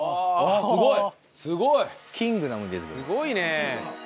すごいねえ。